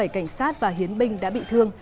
ba mươi bảy cảnh sát và hiến binh đã bị thương